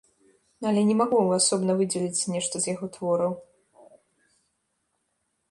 Але не магу асобна выдзеліць нешта з яго твораў.